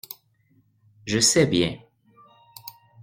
Je sais bien.